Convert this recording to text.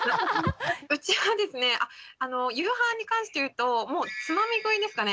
うちはですね夕飯に関して言うともうつまみ食いですかね。